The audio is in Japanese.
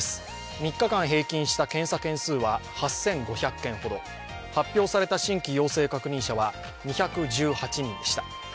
３日間平均した検査件数は８５００件ほど、発表された新規陽性確認者は２１８人でした。